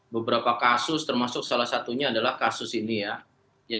beberapa kasus termasuk salah satunya adalah kasus ini ya